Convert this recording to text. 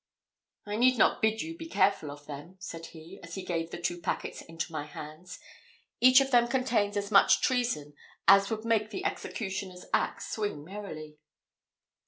"I need not bid you be careful of them," said he, as he gave the two packets into my hands: "each of them contains as much treason as would make the executioner's axe swing merrily."